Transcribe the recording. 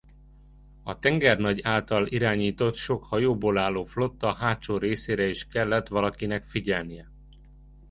A tengernagy által irányított sok hajóból álló flotta hátsó részére is kellett valakinek figyelnie.